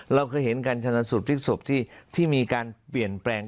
การงานศรัทธีพลิกศพที่มีการเปลี่ยนแปลง